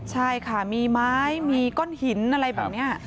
ใช่ค่ะมีไม้มีก้อนหินอะไรแบบนี้